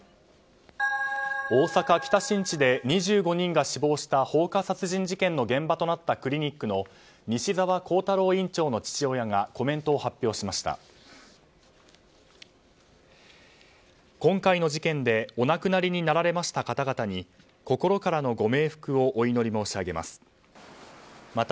大阪・北新地で２５人が死亡した放火殺人事件の現場となったクリニックの西沢弘太郎院長の父親がコメントを発表しました。